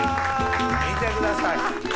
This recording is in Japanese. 見てください。